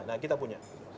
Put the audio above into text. nah kita punya